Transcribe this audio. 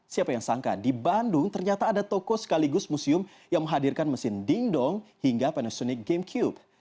siapa yang sangka di bandung ternyata ada toko sekaligus museum yang menghadirkan mesin ding dong hingga panasonic gamecube